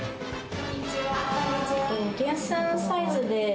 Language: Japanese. こんにちは。